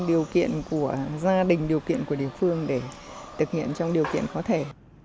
điều kiện của gia đình điều kiện của địa phương để thực hiện trong điều kiện có thể